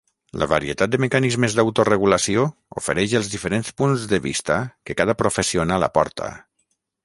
La varietat de mecanismes d'autoregulació ofereix els diferents punts de vista que cada professional aporta.